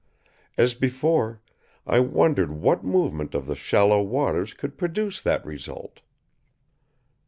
As before, I wondered what movement of the shallow waters could produce that result.